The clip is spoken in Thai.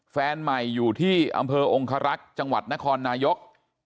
แฟนใหม่อยู่ที่อำเภอองคารักษ์จังหวัดนครนายก